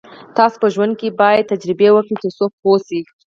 تاسو په ژوند کې باید تجربې وکړئ تر څو پوه شئ.